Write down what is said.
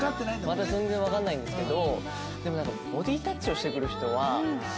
まだ全然わかんないんですけど。